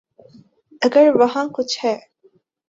اگر وہاں کچھ ہے۔